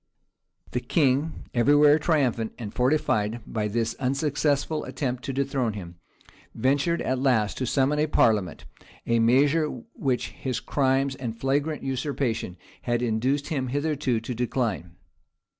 {1484.} The king, every where triumphant, and fortified by this unsuccessful attempt to dethrone him, ventured at last to summon a parliament; a measure which his crimes and flagrant usurpation had induced him hitherto to decline.